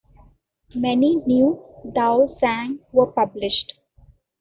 Many new Daozang were published.